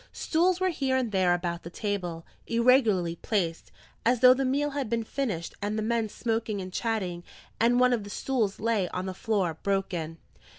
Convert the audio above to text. Stools were here and there about the table, irregularly placed, as though the meal had been finished and the men smoking and chatting; and one of the stools lay on the floor, broken.